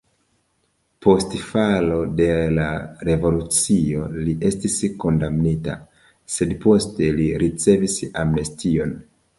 Post falo de la revolucio li estis kondamnita, sed poste li ricevis amnestion.